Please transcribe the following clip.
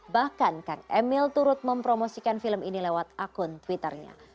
bahkan kang emil turut mempromosikan film ini lewat akun twitternya